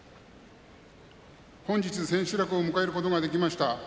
本日千秋楽を迎えることができました。